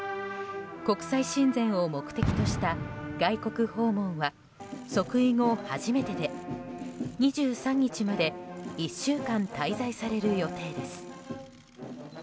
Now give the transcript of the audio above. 国際親善を目的とした外国訪問は即位後初めてで、２３日まで１週間滞在される予定です。